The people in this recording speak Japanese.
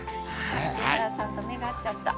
木原さんと目が合っちゃった。